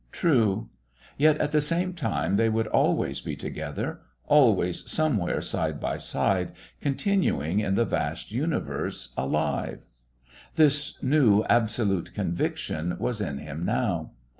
True. Yet at the same time they would always be together, always somewhere side by side, continuing in the vast universe, alive. This new, absolute conviction was in him now.